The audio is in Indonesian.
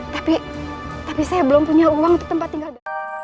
tapi tapi saya belum punya uang untuk tempat tinggal